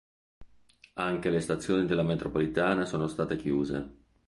Anche le stazioni della metropolitana sono state chiuse.